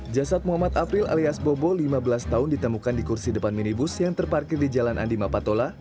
jasad muhammad april alias bobo lima belas tahun ditemukan di kursi depan minibus yang terparkir di jalan andima patola